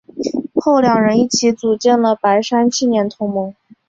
后两人一起组建了白山青年同盟。